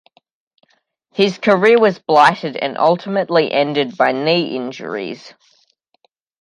His career was blighted and ultimately ended by knee injuries.